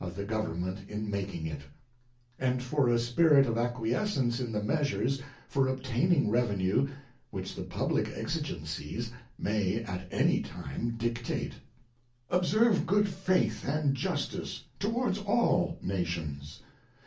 WASHINGTON'S FAREWELL ADDRESS Government in making it, and for a spirit of acquiescence in the measures for obtaining Revenue which the public exigencies may at any time dictate. ŌĆö Observe good faith and justice towards all | Nations.